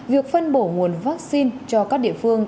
việc phân bổ nguồn vaccine cho các địa phương